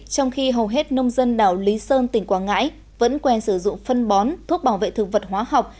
trong khi hầu hết nông dân đảo lý sơn tỉnh quảng ngãi vẫn quen sử dụng phân bón thuốc bảo vệ thực vật hóa học